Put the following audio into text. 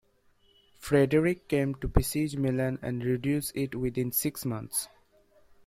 Frederick came to besiege Milan and reduced it within six months.